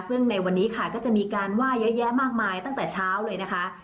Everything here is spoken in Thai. ซึ่งในวันนี้ค่ะก็จะมีการไหว้เยอะแยะมากมายตั้งแต่เช้าเลยนะคะ